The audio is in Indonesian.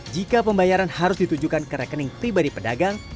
jika pembayaran harus ditujukan ke rekening pribadi pedagang